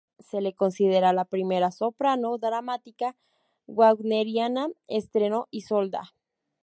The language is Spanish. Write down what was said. Se la considera la primera soprano dramática wagneriana, estrenó Isolda.